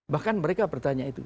bahkan mereka bertanya itu